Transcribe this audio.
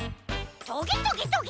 トゲトゲトゲ。